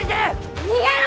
逃げろ！